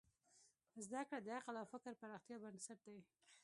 زدهکړه د عقل او فکر پراختیا بنسټ دی.